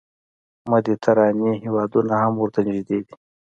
مدیترانې هېوادونه هم ورته نږدې دي.